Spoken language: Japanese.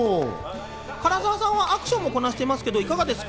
唐沢さんはアクションもこなしてますけど、いかがですか？